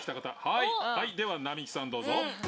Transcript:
はいでは並木さんどうぞ。